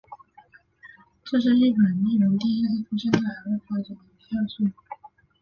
这是日本艺人第一次出现在海外发行的邮票上。